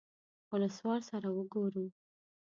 اولسوال سره وګورو.